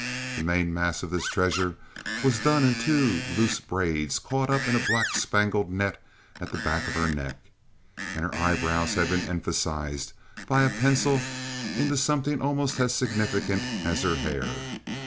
The main mass of this treasure was done in two loose braids caught up in a black spangled net at the back of her neck; and her eyebrows had been emphasized by a pencil into something almost as significant as her hair.